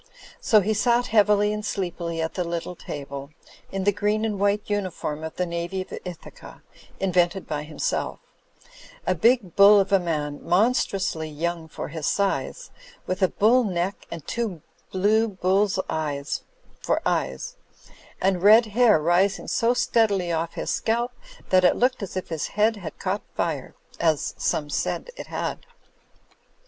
So he sat heavily and sleepily at the little table, in the green and white imiform of the Navy of Ithaca (invented by himself) ; a big bull of a man, monstrously young for his size, with a bull neck and two blue bull's eyes for eyes, and red hair rising so steadily off his scalp that it looked as if his head had caught fire: as some said it had.